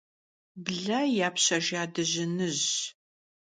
Блэ япщэжа дыжьыныжьщ.